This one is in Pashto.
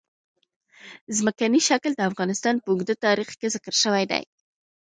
ځمکنی شکل د افغانستان په اوږده تاریخ کې ذکر شوی دی.